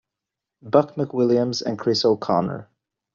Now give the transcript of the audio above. Buck McWilliams and Chris O'Connor.